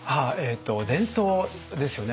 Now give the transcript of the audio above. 伝統ですよね。